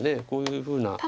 こういうふうな。